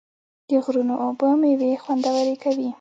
د غرونو اوبه میوې خوندورې کوي.